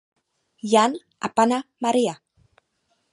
Jan a Panna Maria.